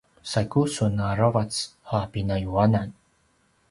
saigu sun aravac a pinayuanan